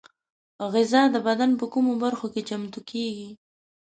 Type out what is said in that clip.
غذا د بدن په کومو برخو کې چمتو کېږي؟